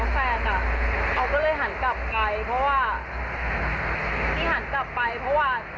กระโดดลงจากรถมอเตยแล้วแฟนอ่ะเขาก็เลยหันกลับไปเพราะว่า